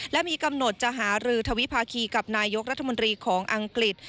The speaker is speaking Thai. และมีกำหนดจะหารือทวิภาคีกับนายกรัฐมนตรีของอังกฤษ